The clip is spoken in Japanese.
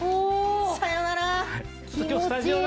さよなら！